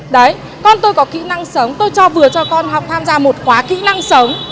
đấy con tôi có kỹ năng sống tôi cho vừa cho con học tham gia một khóa kỹ năng sống